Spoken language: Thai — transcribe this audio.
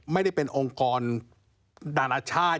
ไม่ได้เป็นองค์กรดานานาชาติ